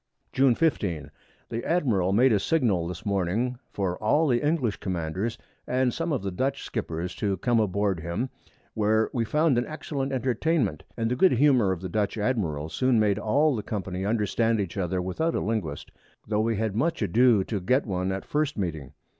June 15. The Admiral made a Signal this Morning for all the English Commanders, and some of the Dutch Skippers to come aboard him, where we found an excellent Entertainment, and the good Humour of the Dutch Admiral soon made all the Company understand each other without a Linguist, tho' we had much ado to get one at first Meeting.